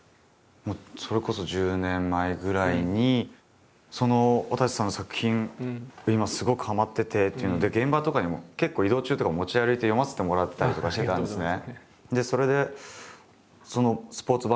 もうそれこそ１０年前ぐらいに「わたせさんの作品今すごくはまってて」っていうので現場とかにも結構移動中とか持ち歩いて読ませてもらったりとかしてたんですね。